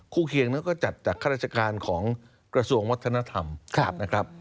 เคียงนั้นก็จัดจากข้าราชการของกระทรวงวัฒนธรรมนะครับ